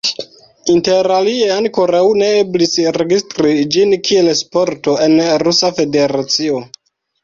Interalie ankoraŭ ne eblis registri ĝin kiel sporto en Rusa Federacio.